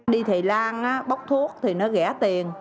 đi thầy lan bóc thuốc thì nó ghẻ tiền